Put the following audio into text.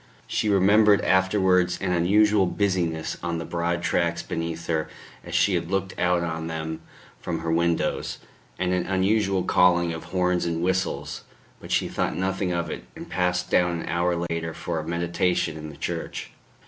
She remembered afterwards an unusual busy ness on the broad tracks beneath her as she had looked out on them from her windows, and an unusual calling of horns and whistles; but she thought nothing of it, and passed down an hour later for a meditation in the church.